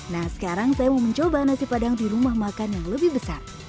nah sekarang saya mau mencoba nasi padang di rumah makan yang lebih besar